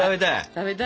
食べたい！